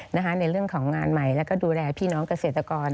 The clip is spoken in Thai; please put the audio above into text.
ในเรื่องของงานใหม่แล้วก็ดูแลพี่น้องเกษตรกร